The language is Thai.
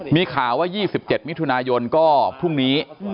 มีข่าวว่า๒๗มิถุนายนก็พรุ่งนี้